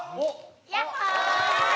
やっほー！